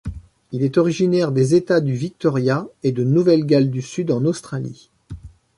Il est originaire des États du Victoria et de Nouvelle-Galles du Sud en Australie.